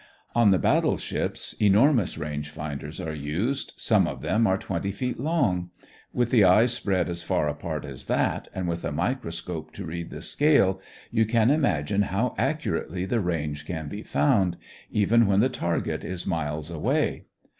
On the battle ships enormous range finders are used. Some of them are twenty feet long. With the eyes spread as far apart as that and with a microscope to read the scale, you can imagine how accurately the range can be found, even when the target is miles away.